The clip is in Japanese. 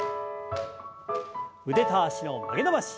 腕と脚の曲げ伸ばし。